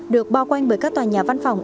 được bao quanh bởi các tòa nhà văn phòng